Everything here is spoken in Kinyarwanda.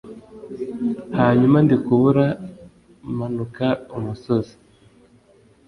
hanyuma ndikubura manuka umusozi;